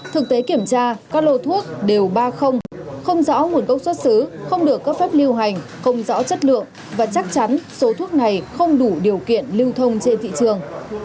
thực tế kiểm tra các lô thuốc đều ba không rõ nguồn cốc xuất xứ không được cấp phép lưu hành không rõ chất lượng và chắc chắn số thuốc này không đủ điều kiện